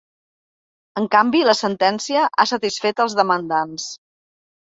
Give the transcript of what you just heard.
En canvi, la sentència ha satisfet els demandants.